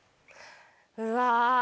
うわ！